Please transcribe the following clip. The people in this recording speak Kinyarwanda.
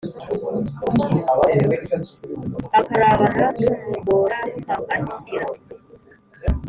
akarabana n úmugor ákaakiira